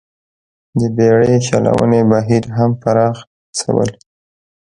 د بېړۍ چلونې بهیر هم پراخ شول.